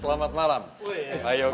selamat malam pak yoga